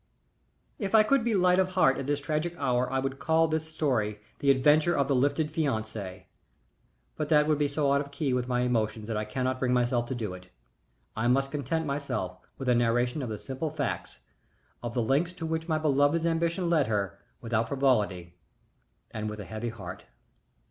_ If I could be light of heart in this tragic hour I would call this story the Adventure of the Lifted Fiancé, but that would be so out of key with my emotions that I cannot bring myself to do it. I must content myself with a narration of the simple facts of the lengths to which my beloved's ambition led her, without frivolity and with a heavy heart.